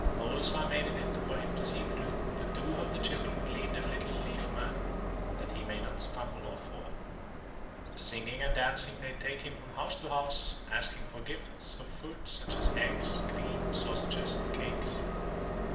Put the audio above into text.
Holes are made in it for him to see through, and two of the children lead the Little Leaf Man that he may not stumble or fall. Singing and dancing they take him from house to house, asking for gifts of food such as eggs, cream, sausages, and cakes.